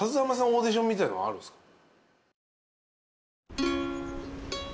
オーディションみたいのはあるんすか？